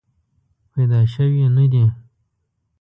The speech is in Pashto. پیدا شوې نه دي.